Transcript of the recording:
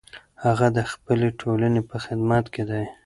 هغه د خپلې ټولنې په خدمت کې دی.